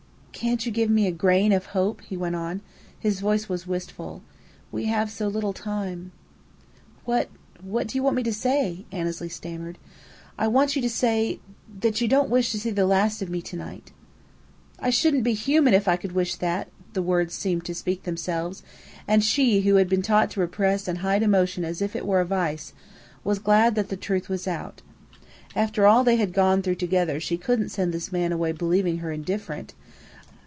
"Can't you give me a grain of hope?" he went on. His voice was wistful. "We have so little time." "What do you want me to say?" Annesley stammered. "I want you to say that you don't wish to see the last of me to night." "I shouldn't be human if I could wish that!" the words seemed to speak themselves; and she, who had been taught to repress and hide emotion as if it were a vice, was glad that the truth was out. After all they had gone through together she couldn't send this man away believing her indifferent.